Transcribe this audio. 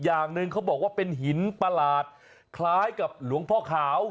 อย่างหนึ่งเขาบอกว่าเป็นหินประหลาดคล้ายกับหลวงพ่อขาว